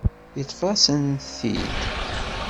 Yeṭṭef-asent-t-id.